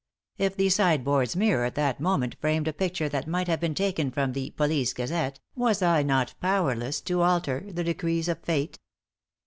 If the sideboard's mirror at that moment framed a picture that might have been taken from the Police Gazette, was I not powerless to alter the decrees of fate?